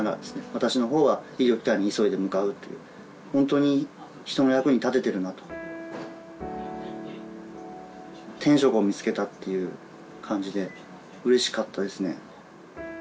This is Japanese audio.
私のほうは医療機関に急いで向かうという本当に人の役に立ててるなと天職を見つけたっていう感じでうれしかったですね